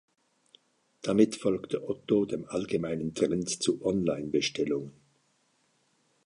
Damit folgte Otto dem allgemeinen Trend zu Online-Bestellungen.